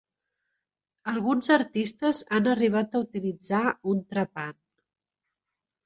Alguns artistes han arribat a utilitzar un trepant.